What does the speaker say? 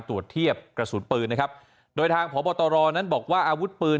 ตรวจเทียบกระสุนปืนนะครับโดยทางพบตรนั้นบอกว่าอาวุธปืน